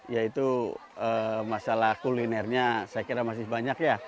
yaitu masalah kulinernya saya kira masih banyak ya